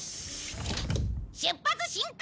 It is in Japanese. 出発進行！